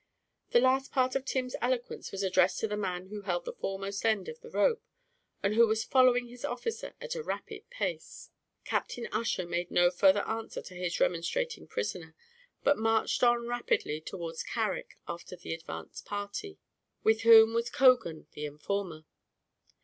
The last part of Tim's eloquence was addressed to the man who held the foremost end of the rope, and who was following his officer at a rapid pace. Captain Ussher made no further answer to his remonstrating prisoner, but marched on rapidly towards Carrick after the advanced party, with whom was Cogan the informer.